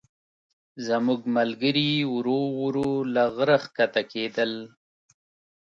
زموږ ملګري ورو ورو له غره ښکته کېدل.